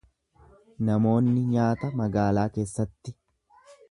Namoonni nyaata magaalaa keessatti.